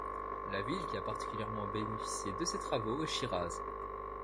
La ville qui a particulièrement bénéficié de ces travaux est Chiraz.